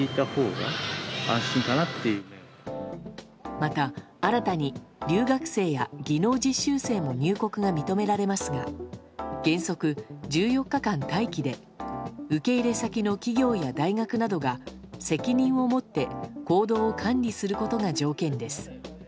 また新たに留学生や技能実習生も入国が認められますが原則１４日間待機で受け入れ先の企業や大学などが責任を持って行動を管理することが条件です。